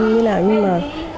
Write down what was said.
như là nhưng mà